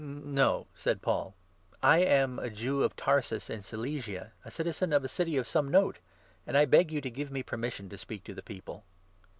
" No," said Paul, " I am a Jew of Tarsus in Cilicia, a citizen 39 of a city of some note ; and I beg you to give me permission to speak to the people."